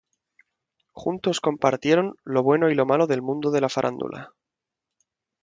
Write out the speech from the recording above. Juntos compartieron lo bueno y lo malo del mundo de la farándula.